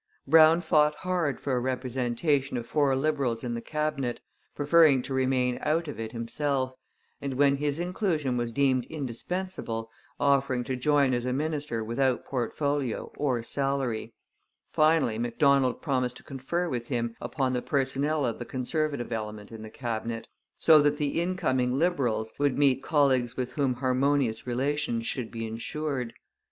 Brown fought hard for a representation of four Liberals in the Cabinet, preferring to remain out of it himself, and, when his inclusion was deemed indispensable, offering to join as a minister without portfolio or salary. Finally Macdonald promised to confer with him upon the personnel of the Conservative element in the Cabinet, so that the incoming Liberals would meet colleagues with whom harmonious relations should be ensured.